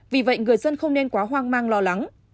vì vậy người dân không nên quá hoang mang lo lắng